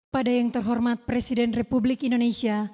segala sama pelayan wanita indonesia